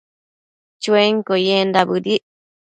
Chuenquio yendac bëdic